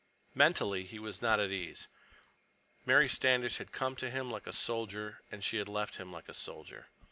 Mentally he was not at ease. Mary Standish had come to him like a soldier, and she had left him like a soldier.